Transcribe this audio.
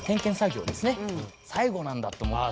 最後なんだと思って。